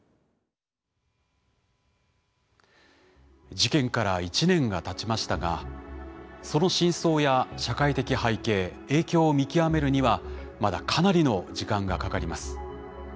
事件から１年がたちましたがその真相や社会的背景影響を見極めるにはまだかなりの時間がかかります。